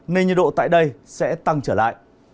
nên nhiệt độ tại đây sẽ tăng trở lại